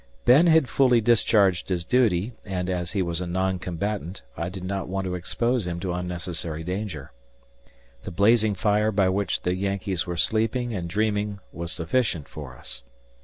Ben had fully discharged his duty and, as he was a non combatant, I did not want to expose him to unnecessary danger. The blazing fire by which the Yankees were sleeping and dreaming was sufficient for us.